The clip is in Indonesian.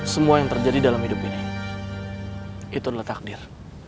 semua yang terjadi dalam hidup ini itu adalah takdir